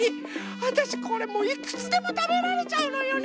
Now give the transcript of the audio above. わたしこれもういくつでもたべられちゃうのよね。